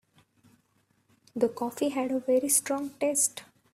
The coffee had a very strong taste.